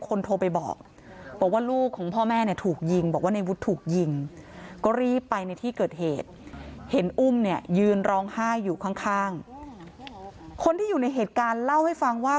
คนที่อยู่ในเหตุการณ์เล่าให้ฟังว่า